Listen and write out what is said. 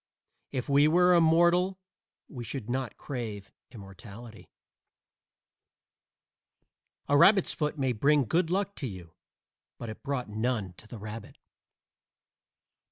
If we were immortal we should not crave immortality. A rabbit's foot may bring good luck to you, but it brought none to the rabbit.